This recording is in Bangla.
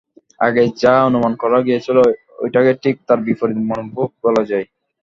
আগে যা অনুমান করা গিয়েছিল এটাকে ঠিক তার বিপরীত মনোভাব বলা যায়।